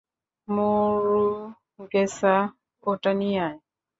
মুরুগেসা, ওটা নিয়ে আয়।